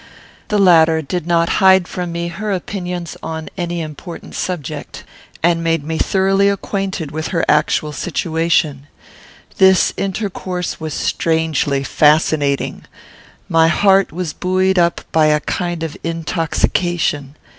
The latter did not hide from me her opinions upon any important subject, and made me thoroughly acquainted with her actual situation. This intercourse was strangely fascinating. My heart was buoyed up by a kind of intoxication.